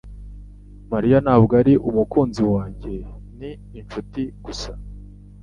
Mariya ntabwo ari umukunzi wanjye. Ni inshuti gusa.